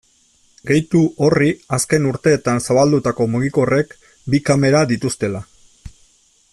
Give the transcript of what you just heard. Gehitu horri azken urteetan zabaldutako mugikorrek bi kamera dituztela.